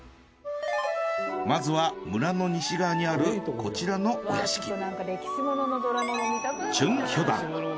まずは村の西側にあるこちらのお屋敷。